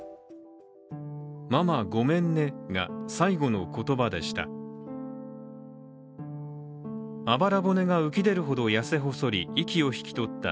「ママごめんね」が最後の言葉でした。